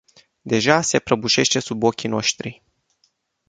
Deja se prăbușește sub ochii noștri.